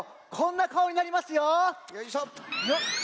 よいしょ！